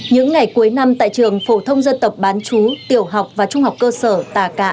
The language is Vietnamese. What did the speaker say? những ngày cuối năm tại trường phổ thông dân tộc bán chú tiểu học và trung học cơ sở tà cạ